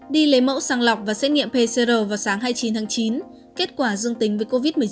đi lấy mẫu sàng lọc và xét nghiệm pcr vào sáng hai mươi chín tháng chín kết quả dương tính với covid một mươi chín